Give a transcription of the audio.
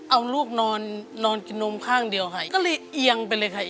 เอาลูกนอนนอนกินนมข้างเดียวค่ะก็เลยเอียงไปเลยค่ะ